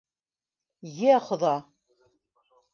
- Йә Хоҙа!!!